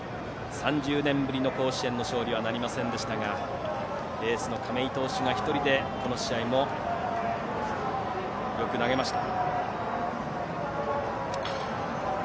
３０年ぶりの甲子園勝利はなりませんでしたがエースの亀井投手が１人でこの試合もよく投げました。